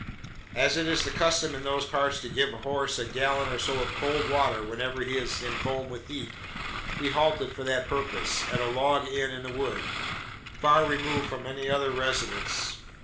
As it is the custom in these parts to give a horse a gallon or so of cold water whenever he is in a foam with heat, we halted for that purpose, at a log inn in the wood, far removed from any other residence.